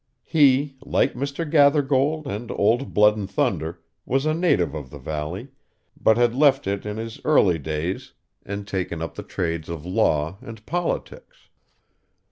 He, like Mr. Gathergold and old Blood and Thunder, was a native of the valley, but had left it in his early days, and taken up the trades of law and politics.